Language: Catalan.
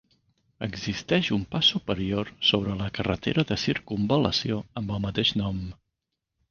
Existeix un pas superior sobre la carretera de circumval·lació amb el mateix nom.